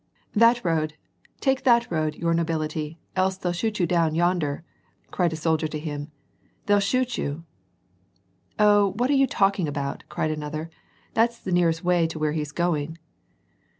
" That road ; take that road, your nobility, else they'll shoot you down, yonder !" cried a soldier to him. " They'll shoot you I "" 0 what are you talking about ?" cried another. "That^s the nearest way to where he is going."